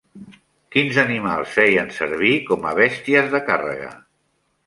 Quins animals feien servir com a bèsties de càrrega?